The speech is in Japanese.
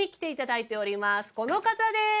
この方です！